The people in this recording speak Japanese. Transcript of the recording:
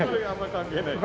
関係ないね。